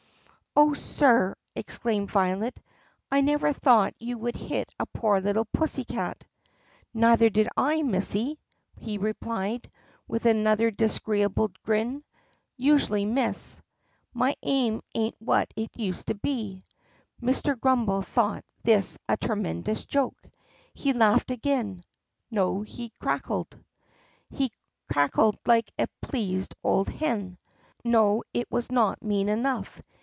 "Oh, sir," exclaimed Violet, "I never thought you would hit a poor litttle pussycat." "Neither did I, missy," he replied, with another disagree able grin; "I usually miss. My aim is n't what it used to be." Mr. Grummbel thought this a tremendous joke. He laughed again. No, he cackled. He cackled like a pleased old hen. No, that is not mean enough.